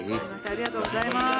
ありがとうございます。